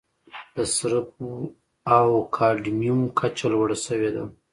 د سرب او کاډمیوم کچه لوړه شوې ده.